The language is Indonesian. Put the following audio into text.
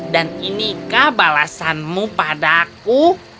dan inikah balasanmu pada aku